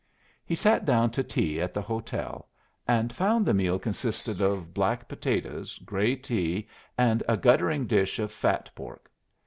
He sat down to tea at the hotel, and found the meal consisted of black potatoes, gray tea, and a guttering dish of fat pork.